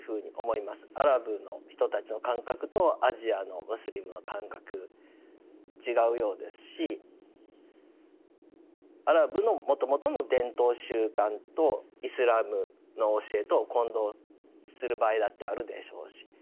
アラブの人たちの感覚とアジアのムスリムの感覚違うようですしアラブのもともとの伝統習慣とイスラムの教えとを混同する場合だってあるでしょうし。